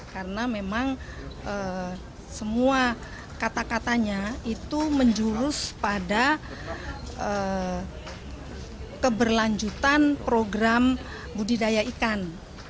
karena memang semua kata katanya itu menjurus pada keberlanjutan program budidaya ikan